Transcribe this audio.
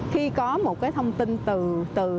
khi có một cái thông tin từ